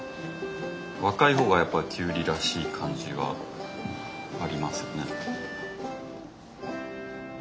若いほうがやっぱキュウリらしい感じはありますよね。